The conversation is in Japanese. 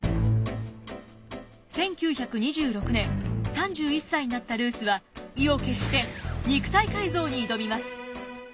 １９２６年３１歳になったルースは意を決して肉体改造に挑みます。